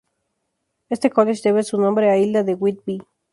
Este college debe su nombre a Hilda de Whitby.